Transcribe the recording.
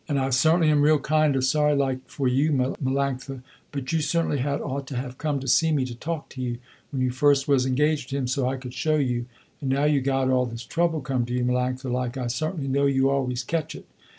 And I certainly am real kind of sorry like for you Melanctha, but you certainly had ought to have come to see me to talk to you, when you first was engaged to him so I could show you, and now you got all this trouble come to you Melanctha like I certainly know you always catch it.